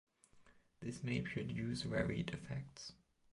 This may produce varied effects.